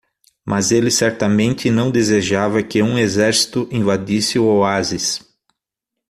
Mas ele certamente não desejava que um exército invadisse o oásis.